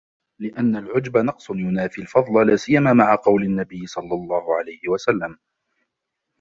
لِأَنَّ الْعُجْبَ نَقْصٌ يُنَافِي الْفَضْلَ لَا سِيَّمَا مَعَ قَوْلِ النَّبِيِّ صَلَّى اللَّهُ عَلَيْهِ وَسَلَّمَ